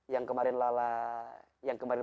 yang kemarin lala yang kemarin